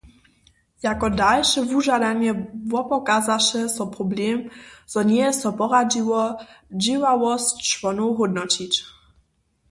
Jako dalše wužadanje wopokazaše so problem, zo njeje so poradźiło, dźěławosć čłonow hódnoćić.